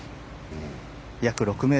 約６ｍ。